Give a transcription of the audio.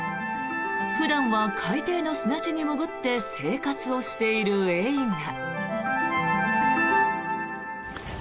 普段は海底の砂地に潜って生活をしているエイが。